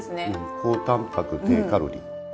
高たんぱく低カロリー。